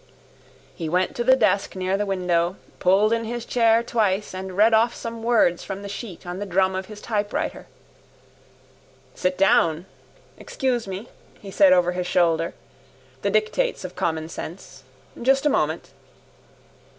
He went to the desk near the window, pulled in his chair twice and read off some words from the sheet on the drum of his typewriter. —Sit down. Excuse me, he said over his shoulder, the dictates of common sense. Just a moment.